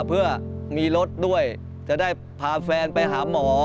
เพื่อมีรถด้วยจะได้พาแฟนไปหาหมอ